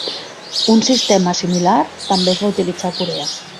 Un sistema similar també es va utilitzar a Corea.